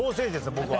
僕は。